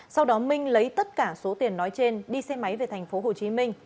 sau đó minh lấy tất cả số tiền nói trên đi xe máy về thành phố hồ chí minh